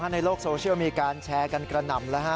ในโลกโซเชียลมีการแชร์กันกระหน่ำแล้ว